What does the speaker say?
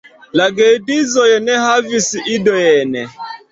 La geedzoj ne havis idojn.